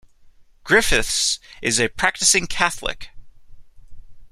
Griffiths is a practising Catholic.